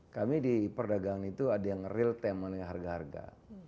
kami di perdagangan itu ada yang real time harga harga